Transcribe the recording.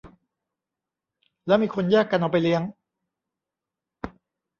แล้วมีคนแยกกันเอาไปเลี้ยง